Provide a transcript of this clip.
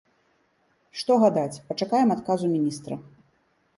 Што гадаць, пачакаем адказу міністра!